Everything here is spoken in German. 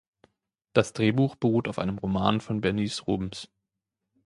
Das Drehbuch beruht auf einem Roman von Bernice Rubens.